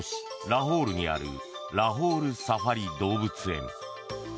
ラホールにあるラホール・サファリ動物園。